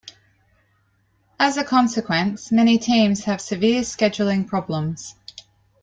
As a consequence, many teams had severe scheduling problems.